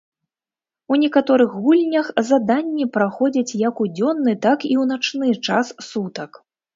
У некаторых гульнях заданні праходзяць як у дзённы, так і ў начны час сутак.